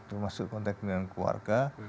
termasuk kontak dengan keluarga